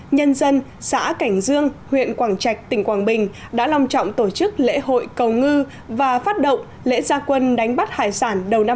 nhân dân xã cảnh dương huyện quảng trạch tỉnh quảng bình đã long trọng tổ chức lễ hội cầu ngư và phát động lễ gia quân đánh bắt hải sản đầu năm hai nghìn hai mươi